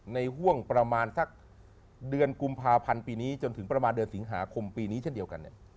ห่วงประมาณสักเดือนกุมภาพันธ์ปีนี้จนถึงประมาณเดือนสิงหาคมปีนี้เช่นเดียวกัน